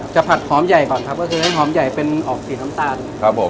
ผัดหอมใหญ่ก่อนครับก็คือให้หอมใหญ่เป็นออกสีน้ำตาลครับผม